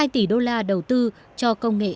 hai tỷ usd đầu tư cho công nghệ